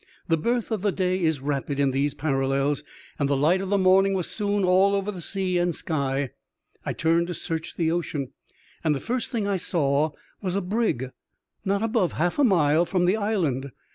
The birth of the day is rapid in those parallels, and the light of the morning was soon all over sea and sky. I turned to search the ocean, and the first thing I saw was a brig not above half a mile from the island.